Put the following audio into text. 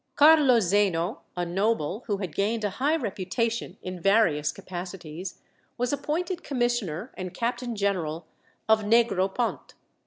Carlo Zeno, a noble, who had gained a high reputation in various capacities, was appointed commissioner and captain general of Negropont.